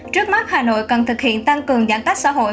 trước mắt hà nội cần thực hiện tăng cường giãn cách xã hội